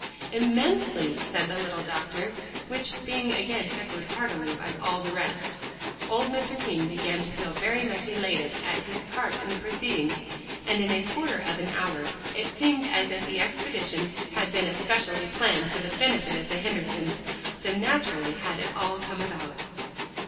"Immensely," said the little doctor; which being again echoed heartily by all the rest, old Mr. King began to feel very much elated at his part in the proceedings, and in a quarter of an hour it seemed as if the expedition had been especially planned for the benefit of the Hendersons, so naturally had it all come about.